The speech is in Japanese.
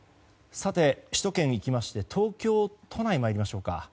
首都圏に行って東京都内に参りましょうか。